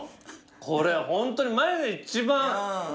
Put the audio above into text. これホントにマジで一番。